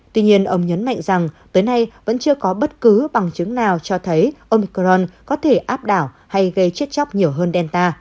tuy nhiên ông nhấn mạnh rằng tới nay vẫn chưa có bất cứ bằng chứng nào cho thấy ông micron có thể áp đảo hay gây chết chóc nhiều hơn delta